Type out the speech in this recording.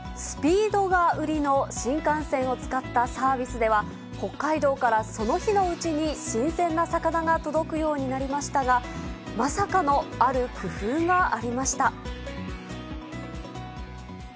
スピードが売りの新幹線を使ったサービスでは、北海道からその日のうちに、新鮮な魚が届くようになりましたが、まさかのある工夫がありました。